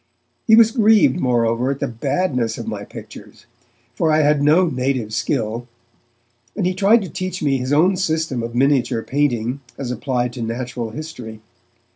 He was grieved, moreover, at the badness of my pictures, for I had no native skill; and he tried to teach me his own system of miniature painting as applied to natural history.